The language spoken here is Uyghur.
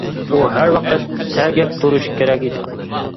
ئۇ ھەر ۋاقىت سەگەك تۇرۇشى كېرەك ئىدى.